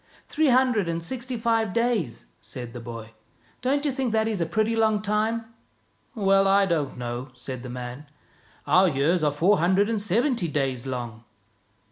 " Three hundred and sixty five days," said the boy. " Don't you think that is a pretty long time? "" Well, I don't know," said the man. " Our years are four hundred and seventy days long."